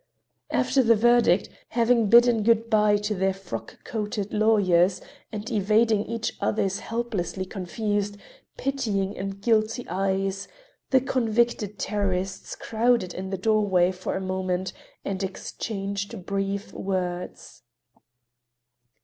After the verdict, having bidden good by to their frock coated lawyers, and evading each other's helplessly confused, pitying and guilty eyes, the convicted terrorists crowded in the doorway for a moment and exchanged brief words.